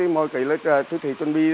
mọi cái là thứ thứ tuần bi